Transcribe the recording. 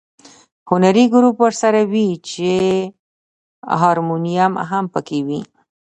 هنري ګروپ ورسره وي چې هارمونیم هم په کې وي.